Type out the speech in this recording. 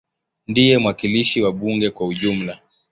Ndiye mwakilishi wa bunge kwa ujumla.